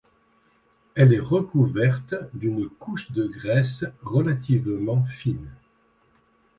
Elle est recouverte d’une couche de graisse relativement fine.